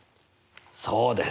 そうです。